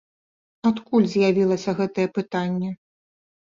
Адкуль з'явілася гэтае пытанне?